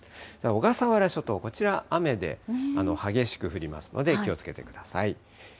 小笠原諸島、こちら、雨で激しく降りますので、気をつけてください。